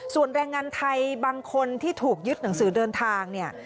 ส่วนแรงงานไทยบางคนที่ถูกยึดหนังสือเดินทางเนี่ย